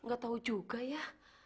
gatau juga ya